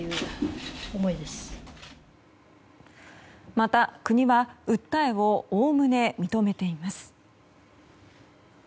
また、国は訴えをおおむね認めています。